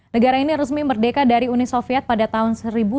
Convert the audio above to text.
negara ini resmi merdeka dari uni soviet pada tahun seribu sembilan ratus sembilan puluh